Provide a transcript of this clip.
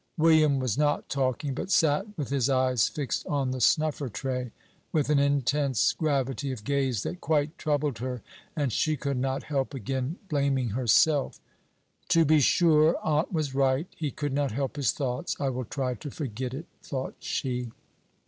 William was not talking, but sat with his eyes fixed on the snuffer tray, with an intense gravity of gaze that quite troubled her, and she could not help again blaming herself. "To be sure! Aunt was right; he could not help his thoughts. I will try to forget it," thought she.